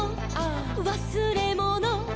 「わすれもの」「」